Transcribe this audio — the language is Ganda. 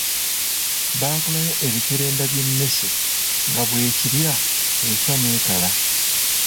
Baakolayo ebikerenda by'emmese nga bwekirya efa n'ekala.